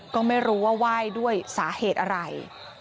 ก็ไม่รู้ว่าไหว้ด้วยสาเหตุอะไร